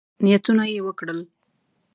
نیتونه یې وکړل.